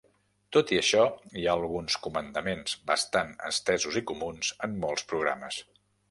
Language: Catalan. Tot i això hi ha alguns comandaments bastant estesos i comuns en molts programes.